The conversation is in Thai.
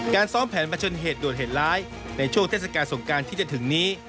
ซ้อมแผนมาชนเหตุด่วนเหตุร้ายในช่วงเทศกาลสงการที่จะถึงนี้